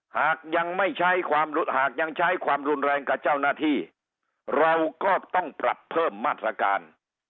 หากยังไม่ใช้ความหากยังใช้ความรุนแรงกับเจ้าหน้าที่เราก็ต้องปรับเพิ่มมาตรการ